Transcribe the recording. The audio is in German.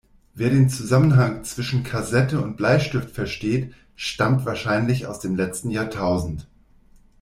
Wer den Zusammenhang zwischen Kassette und Bleistift versteht, stammt wahrscheinlich aus dem letzten Jahrtausend.